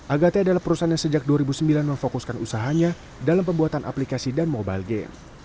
agate adalah perusahaan yang sejak dua ribu sembilan memfokuskan usahanya dalam pembuatan aplikasi dan mobile game